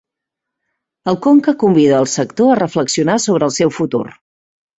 El CoNCA convida el sector a reflexionar sobre el seu futur.